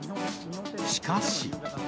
しかし。